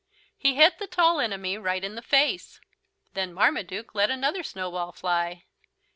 He hit the Tall Enemy right in the face. Then Marmaduke let another snowball fly.